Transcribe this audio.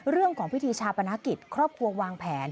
เรื่องของพิธีชาปนกิจครอบครัววางแผน